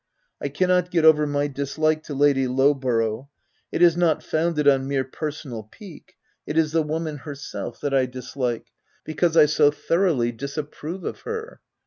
1 cannot get over my dislike to Lady Low borough. It is not founded on mere personal pique ; it is the woman herself that I dislike, OF WILDFELL HALL. 21? because I so thoroughly disapprove of her.